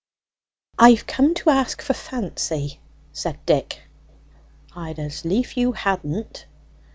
"I've come to ask for Fancy," said Dick. "I'd as lief you hadn't."